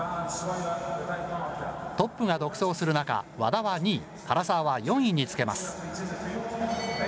トップが独走する中、和田は２位、唐澤は４位につけます。